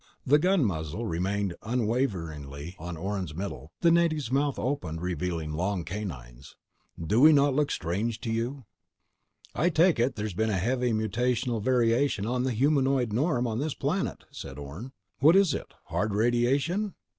The gun muzzle remained unwaveringly on Orne's middle. The native's mouth opened, revealing long canines. "Do we not look strange to you?" "I take it there's been a heavy mutational variation in the humanoid norm on this planet," said Orne. "What is it? Hard radiation?"